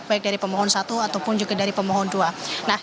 baik dari pemohon satu ataupun juga dari pemohon dua